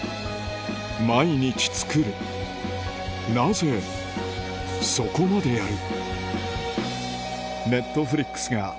毎日作るなぜそこまでやる？